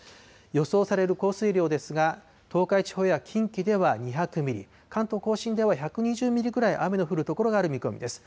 予想される降水量ですが、東海地方や近畿では２００ミリ、関東甲信では１２０ミリくらい、雨の降る所がある見込みです。